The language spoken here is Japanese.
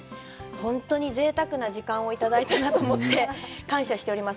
本当にぜいたくな時間をいただいたなと思って感謝しております。